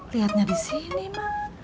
lihatnya di sini mak